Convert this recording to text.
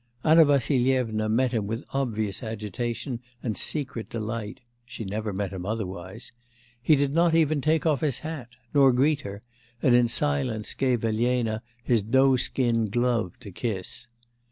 Anna Vassilyevna met him with obvious agitation and secret delight (she never met him otherwise); he did not even take off his hat, nor greet her, and in silence gave Elena his doe skin glove to kiss.